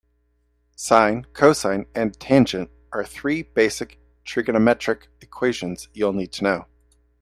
Sine, cosine and tangent are three basic trigonometric equations you'll need to know.